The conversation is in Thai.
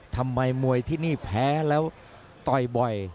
ทำไมมวยที่นี่แพ้แล้วต่อยบ่อย